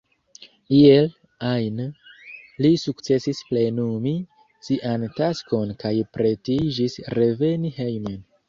Iel ajn, li sukcesis plenumi sian taskon kaj pretiĝis reveni hejmen.